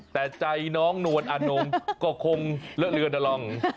แต่ใจน้องนวลอานงก็คงเลอะเลือดน่ะล่ะ